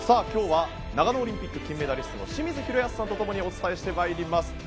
今日は長野オリンピック金メダリストの清水宏保さんと共にお伝えしてまいります。